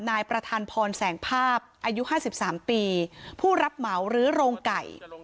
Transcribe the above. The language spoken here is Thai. นายประธานพรแสงภาพอายุ๕๓ปีผู้รับเหมารื้อโรงไก่